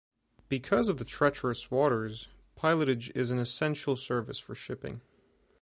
Because of the treacherous waters, pilotage is an essential service for shipping.